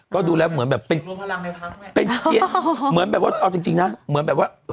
ก็ดูแล้วเหมือนแบบเป็นเกียรติเหมือนแบบว่าเอาจริงนะเหมือนแบบว่า